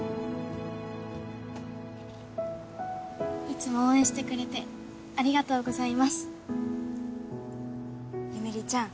いつも応援してくれてありがとうございますゆめ莉ちゃん